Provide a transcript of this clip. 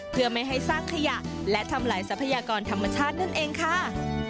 เพื่อไม่ให้สร้างขยะและทำลายทรัพยากรธรรมชาตินั่นเองค่ะ